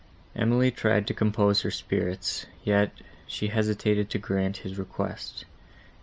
Emily tried to compose her spirits; yet she hesitated to grant his request.